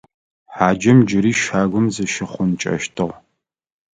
Хьаджэм джыри щагум зыщихъункӀэщтыгъ.